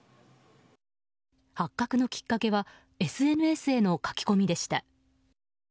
発覚のきっかけはＳＮＳへの書き込みでした。